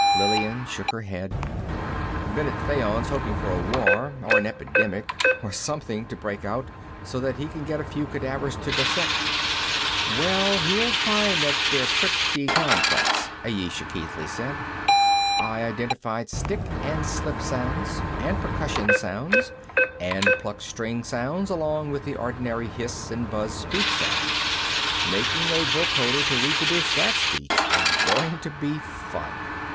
Lillian shook her head. "Bennet Fayon's hoping for a war, or an epidemic, or something to break out, so that he can get a few cadavers to dissect." "Well, he'll find that they're pretty complex," Ayesha Keithley said. "I identified stick and slip sounds and percussion sounds, and plucked string sounds, along with the ordinary hiss and buzz speech sounds. Making a vocoder to reproduce that speech is going to be fun.